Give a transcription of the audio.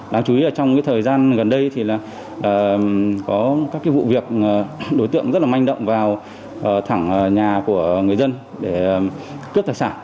đáng chú ý là trong thời gian gần đây thì là có các vụ việc đối tượng rất là manh động vào thẳng nhà của người dân để cướp tài sản